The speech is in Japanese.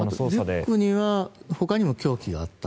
リュックにはほかにも凶器があった？